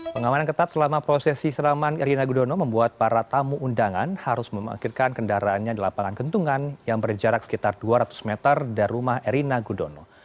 pengamanan ketat selama prosesi siraman erina gudono membuat para tamu undangan harus memangkirkan kendaraannya di lapangan kentungan yang berjarak sekitar dua ratus meter dari rumah erina gudono